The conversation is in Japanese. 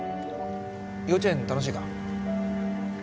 幼稚園楽しいか？